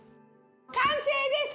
完成です！